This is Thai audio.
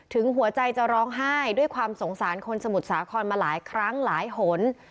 หัวใจจะร้องไห้ด้วยความสงสารคนสมุทรสาครมาหลายครั้งหลายหน